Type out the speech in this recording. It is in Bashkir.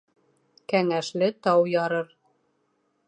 Кәңәшле тау ярыр.